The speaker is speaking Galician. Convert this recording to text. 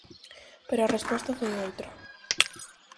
Pero a resposta foi outra.